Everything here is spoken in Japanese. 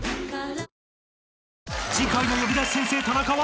［次回の『呼び出し先生タナカ』は］